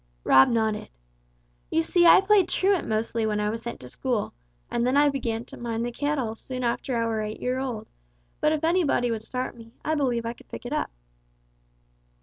Rob nodded. "You see I played truant mostly when I was sent to school, and then I began to mind the cattle soon after I were eight year old, but if any body would start me, I believe I could pick it up."